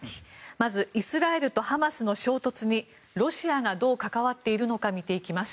まずイスラエルとハマスの衝突にロシアがどう関わっているのか見ていきます。